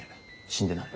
死んでない。